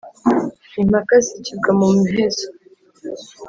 Impaka zigibwa mu muhezo